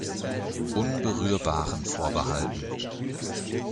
Unberührbaren vorbehalten.